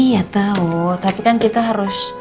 iya tahu tapi kan kita harus